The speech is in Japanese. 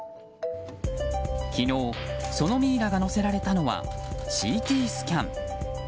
昨日、そのミイラが載せられたのはＣＴスキャン。